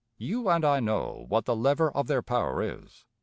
You and I know what the lever of their power is.